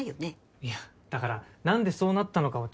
いやだから何でそうなったのかをちゃんと美帆に。